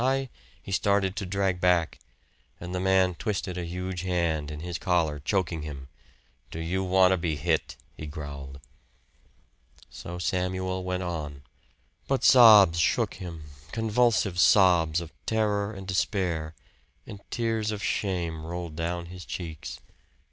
I " He started to drag back, and the man twisted a huge hand, in his collar, choking him. "Do you want to be hit?" he growled. So Samuel went on. But sobs shook him, convulsive sobs of terror and despair, and tears of shame rolled down his cheeks.